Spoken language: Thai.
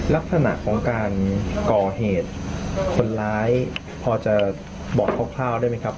ลักษณะของการก่อเหตุคนร้ายพอจะบอกคร่าวได้ไหมครับ